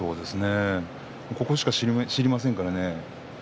ここしか知りませんからね。